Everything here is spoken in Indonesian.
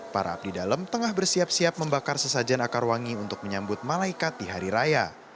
para abdi dalam tengah bersiap siap membakar sesajen akar wangi untuk menyambut malaikat di hari raya